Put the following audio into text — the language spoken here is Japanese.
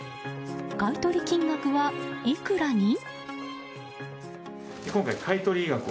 買い取り金額はいくらに？